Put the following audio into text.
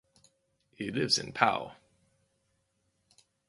He lives in Pau.